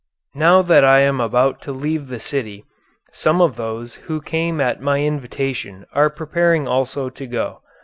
Now that I am about to leave the city, some of those who came at my invitation are preparing also to go.